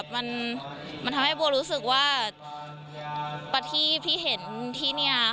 มันทำให้บัวรู้สึกว่าประทีปที่เห็นที่นี่